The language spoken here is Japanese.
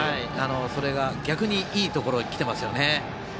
それが逆にいいところにきてます。